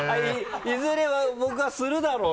「いずれは僕はするだろう」と。